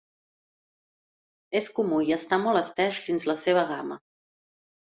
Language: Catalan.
És comú i està molt estès dins la seva gama.